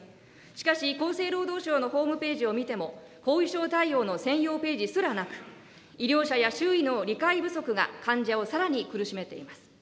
しかし、厚生労働省のホームページを見ても、後遺症対応の専用ページすらなく、医療者や周囲の理解不足が患者をさらに苦しめています。